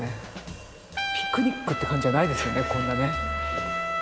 ピクニックって感じじゃないですよねこんなね。